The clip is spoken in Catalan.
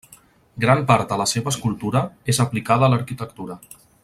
Gran part de la seva escultura és aplicada a l'arquitectura.